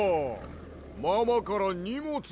ママからにもつだで。